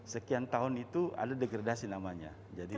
sekian tahun itu ada degradasi namanya